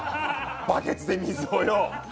バケツで水をよ！